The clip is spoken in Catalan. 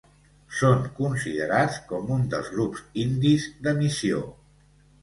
Són considerats com un dels grups indis de missió.